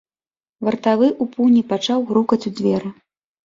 Вартавы ў пуні пачаў грукаць у дзверы.